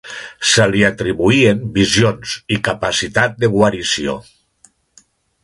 Se li atribuïen visions i capacitat de guarició.